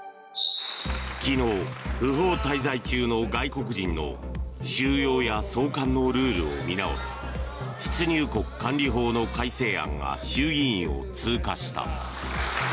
昨日、不法滞在中の外国人の収容や送還のルールを見直す出入国管理法の改正案が衆議院を通過した。